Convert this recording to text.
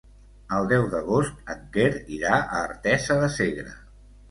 El deu d'agost en Quer irà a Artesa de Segre.